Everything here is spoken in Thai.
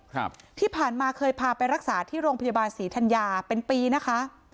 ครับที่ผ่านมาเคยพาไปรักษาที่โรงพยาบาลศรีธัญญาเป็นปีนะคะ